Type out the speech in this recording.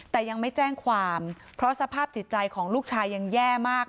แต่ยังไม่แจ้งความเพราะสภาพจิตใจของลูกชายยังแย่มาก